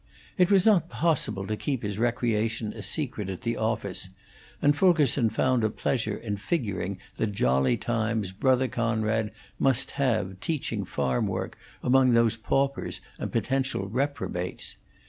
It was not possible to keep his recreation a secret at the office, and Fulkerson found a pleasure in figuring the jolly time Brother Conrad must have teaching farm work among those paupers and potential reprobates.